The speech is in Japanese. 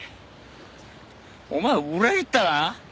お前裏切ったな？